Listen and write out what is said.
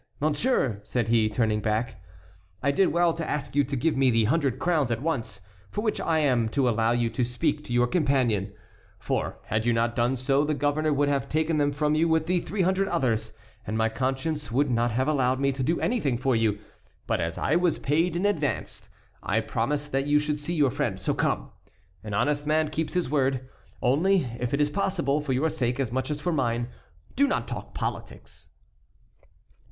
monsieur," said he, turning back, "I did well to ask you to give me the hundred crowns at once for which I am to allow you to speak to your companion; for had you not done so the governor would have taken them from you with the three hundred others, and my conscience would not have allowed me to do anything for you; but as I was paid in advance, I promised that you should see your friend. So come. An honest man keeps his word. Only, if it is possible, for your sake as much as for mine, do not talk politics."